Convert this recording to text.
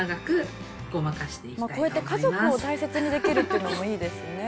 「こうやって家族を大切にできるっていうのもいいですね」